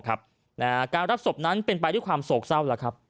การรับศพนั้นเป็นไปด้วยความโศกเศร้า